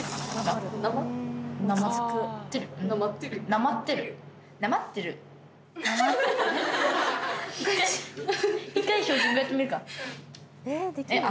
なまってるえっ？